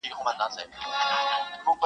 څارنوال ته پلار ویله دروغجنه,